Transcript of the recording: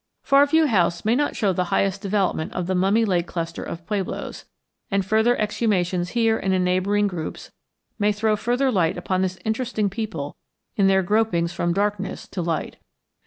Far View House may not show the highest development of the Mummy Lake cluster of pueblos, and further exhumations here and in neighboring groups may throw further light upon this interesting people in their gropings from darkness to light.